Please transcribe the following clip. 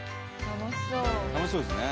楽しそうですね。